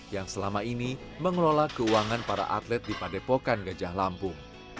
yang selama ini mengelola keuangan para atlet di padepokan gajah lampung